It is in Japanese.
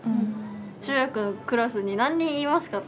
中学のクラスに何人いますか？